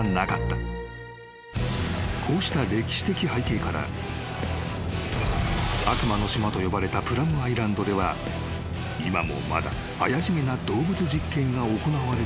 ［こうした歴史的背景から悪魔の島と呼ばれたプラムアイランドでは今もまだ怪しげな動物実験が行われているのではとの噂や］